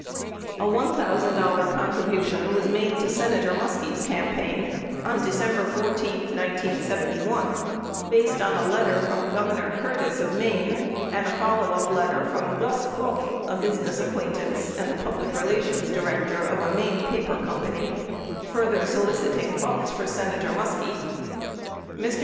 465 A $1,000 contribution was made to Senator Muskie's campaign on December 14, 1971, based on a letter from Governor Curtis of Maine and a followup letter from Gus Clough, a business acquaintance and the public relations director of a Maine paper company, further solicit ing funds for Senator Muskie. Mr.